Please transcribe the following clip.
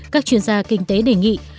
các chuyên gia kinh tế đề nghị